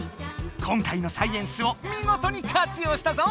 今回のサイエンスをみごとに活用したぞ！